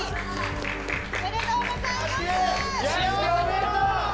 おめでとうございます。